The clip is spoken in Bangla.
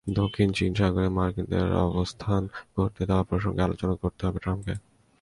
দক্ষিণ চীন সাগরে মার্কিনদের অবস্থান করতে দেওয়া প্রসঙ্গে আলোচনা করতে হবে ট্রাম্পকে।